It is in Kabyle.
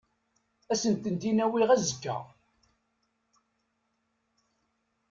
Ad asent-tent-in-awiɣ azekka.